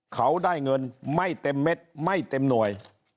เขาได้เงินไม่เต็มเม็ดไม่เต็มหน่วย